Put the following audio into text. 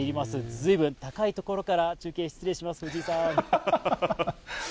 ずいぶん高い所から中継失礼します、藤井さん。